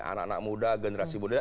anak anak muda generasi muda